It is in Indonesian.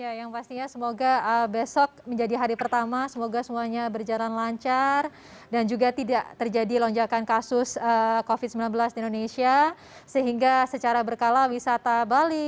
ya yang pastinya semoga besok menjadi hari pertama semoga semuanya berjalan lancar dan juga tidak terjadi lonjakan kasus covid sembilan belas di indonesia sehingga secara berkala wisata bali